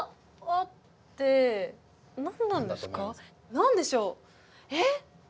何でしょうえっ？